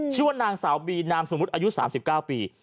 ชื่อว่านางสาวบีนามสมมุติอายุ๓๙ปี